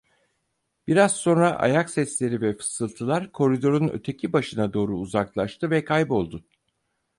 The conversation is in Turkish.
Biraz sonra ayak sesleri ve fısıltılar koridorun öteki başına doğru uzaklaştı ve kayboldu.